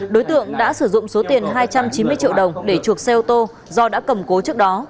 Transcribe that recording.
đối tượng đã sử dụng số tiền hai trăm chín mươi triệu đồng để chuộc xe ô tô do đã cầm cố trước đó